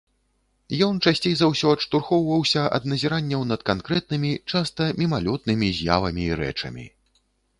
Ён часцей за ўсё адштурхоўваўся ад назіранняў над канкрэтнымі, часта мімалётнымі, з'явамі і рэчамі.